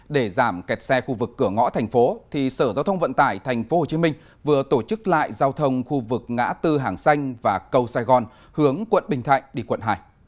để giảm kẹt xe khu vực cửa ngõ thành phố sở giao thông vận tải tp hcm vừa tổ chức lại giao thông khu vực ngã tư hàng xanh và cầu sài gòn hướng quận bình thạnh đi quận hai